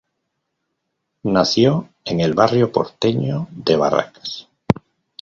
Nació en el barrio porteño de Barracas.